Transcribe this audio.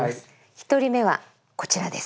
１人目はこちらです。